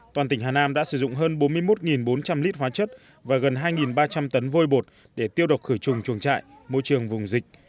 toàn tỉnh hà nam đã sử dụng hơn bốn mươi một bốn trăm linh lít hóa chất và gần hai ba trăm linh tấn vôi bột để tiêu độc khử trùng chuồng trại môi trường vùng dịch